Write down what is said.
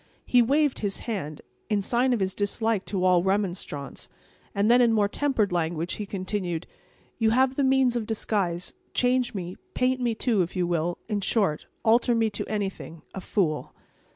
He waved his hand, in sign of his dislike to all remonstrance, and then, in more tempered language, he continued: "You have the means of disguise; change me; paint me, too, if you will; in short, alter me to anything—a fool."